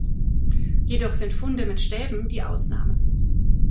Jedoch sind Funde mit Stäben die Ausnahme.